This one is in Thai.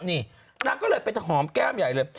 นั่นก็เลยเป็นหอมแก้มใหญ่เลย